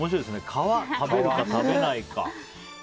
皮を食べるか食べないか。